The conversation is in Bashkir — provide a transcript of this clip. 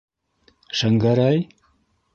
Шәңгәрәй?